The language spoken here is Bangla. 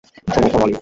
শোনো, ঘোড়াওয়ালী।